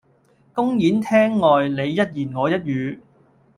公演廳外你一言我一語